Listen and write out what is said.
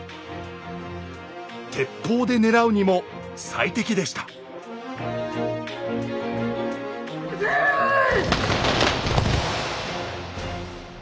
鉄砲で狙うにも最適でした撃てい！